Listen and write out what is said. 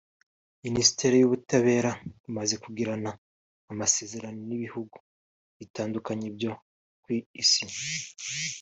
Minisiteri y’Ubutabera imaze kugirana amasezerano n’ibihugu bitandukanye byo ku isi